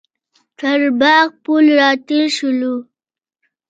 تر باغ پل راتېر شولو.